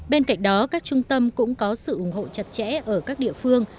bên cạnh đó các trung tâm cũng có sự ủng hộ chặt chẽ ở các địa phương